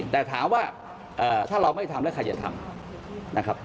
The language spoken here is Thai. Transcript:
แต่ถามว่าถ้าเราไม่ทำแล้วใครจะทำนะครับ